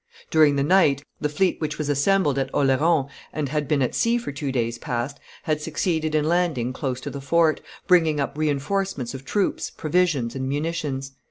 During the night, the fleet which was assembled at Oleron, and had been at sea for two days past, had succeeded in landing close to the fort, bringing up re enforcements of troops, provisions, and munitions.